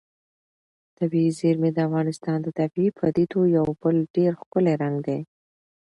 طبیعي زیرمې د افغانستان د طبیعي پدیدو یو بل ډېر ښکلی رنګ دی.